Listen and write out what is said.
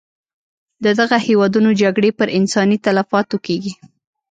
د دغه هېوادونو جګړې پر انساني تلفاتو کېږي.